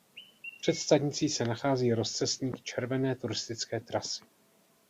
Před stanicí se nachází rozcestník červené turistické trasy.